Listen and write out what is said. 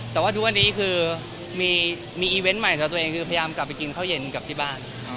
แต่ว่าทุกวันนี้คือมีอีเวนต์ใหม่ต่อตัวเองคือพยายามกลับไปกินข้าวเย็นกลับที่บ้าน